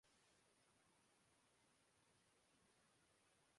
T matches میں اب تک گرین شرٹس کا پلڑا بھاری رہا